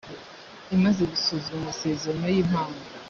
imaze gusuzuma amasezerano y impano